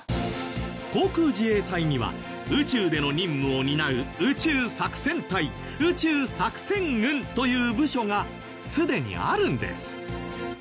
航空自衛隊には宇宙での任務を担う宇宙作戦隊宇宙作戦群という部署がすでにあるんです。